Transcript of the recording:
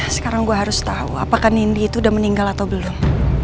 sekarang gue harus tahu apakah nindi itu udah meninggal atau belum